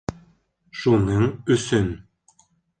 Шуның өсөн.